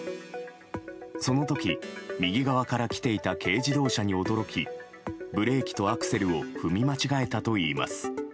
その時、右側から来ていた軽自動車に驚きブレーキとアクセルを踏み間違えたといいます。